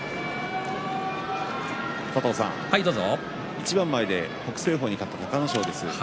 一番前で北青鵬に勝った隆の勝です。